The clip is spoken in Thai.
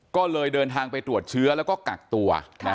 ก็เลยเดินทางไปตรวจเชื้อแล้วก็กักตัว